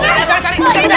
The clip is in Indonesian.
tarik tarik tarik